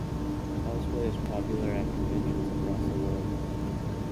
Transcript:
Cosplay is popular at conventions across the world.